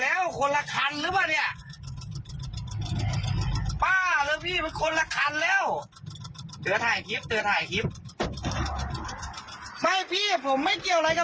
เอ้าตายพี่พี่ถ่ายมานี่ผมไม่เกี่ยวกับอะไรเลยพี่มีปัญหากับเทลเลอร์เออ